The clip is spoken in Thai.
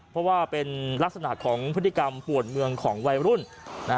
เพราะว่าเป็นลักษณะของพฤติกรรมปวดเมืองของวัยรุ่น